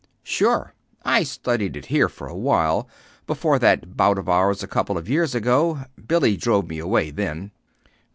"Sure. I studied it here for a while, before that bout of ours a couple of years ago. Billy drove me away, then."